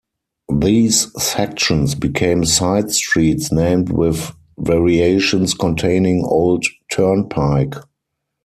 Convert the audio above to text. These sections became side streets named with variations containing Old Turnpike.